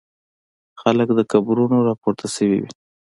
خلک له قبرونو را پورته شوي وي.